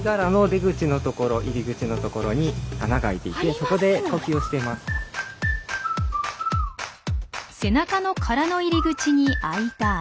すごい！背中の殻の入り口に開いた穴。